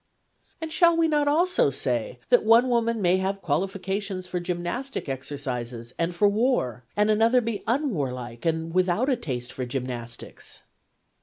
' And shall we not also say, that one woman may have qualifications for gymnastic exercises and for war, and another be unwarlike and without a taste for gymnastics